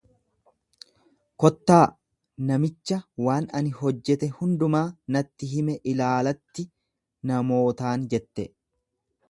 Kottaa namicha waan ani hojjete hundumaa natti hime ilaalatti namootaan jette.